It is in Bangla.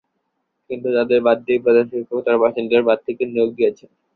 কিন্তু তাঁদের বাদ দিয়ে প্রধান শিক্ষক তাঁর পছন্দের প্রার্থীকে নিয়োগ দিয়েছেন।